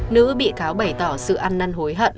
nữ bị cáo bày tỏ sự ăn năn hối hận